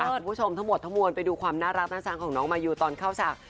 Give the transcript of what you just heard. คุณผู้ชมทั้งหมดทั้งมวลไปดูความน่ารักน่าชังของน้องมายูตอนเข้าฉาก